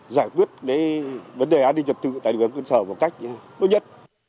giải quyết vấn đề an ninh chặt tự tại địa bàn cơ sở một cách tốt nhất